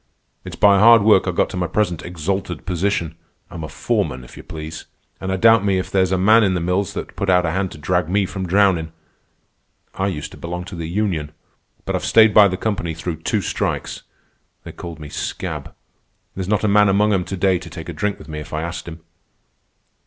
It's by hard work I got to my present exalted position. I'm a foreman, if you please. An' I doubt me if there's a man in the mills that'd put out a hand to drag me from drownin'. I used to belong to the union. But I've stayed by the company through two strikes. They called me 'scab.' There's not a man among 'em to day to take a drink with me if I asked him.